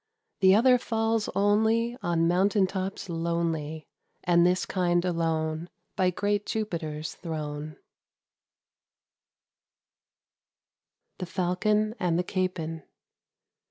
The other falls only On mountain tops lonely; And this kind alone By great Jupiter's thrown. FABLE CLXVI. THE FALCON AND THE CAPON.